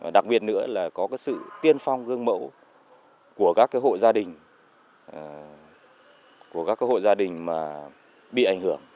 đặc biệt nữa là có sự tiên phong gương mẫu của các hội gia đình bị ảnh hưởng